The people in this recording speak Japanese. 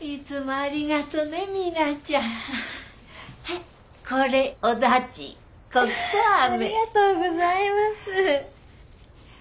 ありがとうございます。